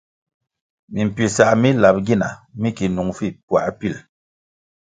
Mimpisah mi lap gina mi ki nung vi puā pil.